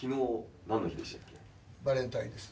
バレンタインです。